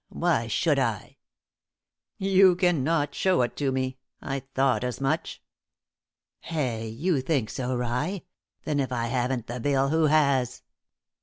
Why should I?" "You cannot shew it to me! I thought as much." "Hey! You think so, rye! Then if I haven't the bill, who has?"